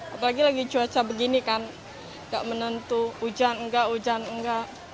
apalagi lagi cuaca begini kan nggak menentu hujan enggak hujan enggak